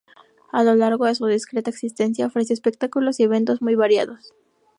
A lo largo de su discreta existencia ofreció espectáculos y eventos muy variados.